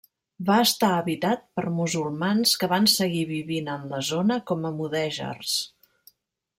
Va estar habitat per musulmans que van seguir vivint en la zona com a mudèjars.